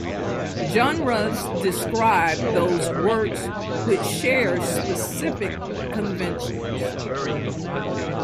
Genres describe those works which share specific conventions.